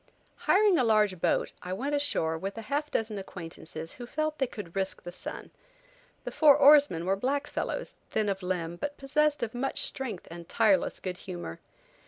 HIRING a large boat, I went ashore with a half dozen acquaintances who felt they could risk the sun. The four oarsmen were black fellows, thin of limb, but possessed of much strength and tireless good humor.